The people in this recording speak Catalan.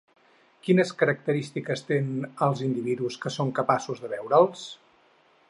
Quines característiques tenen els individus que són capaços de veure'ls?